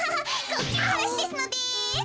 こっちのはなしですので。